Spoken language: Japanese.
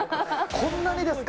こんなにですか？